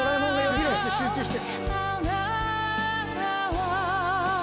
集中して集中して。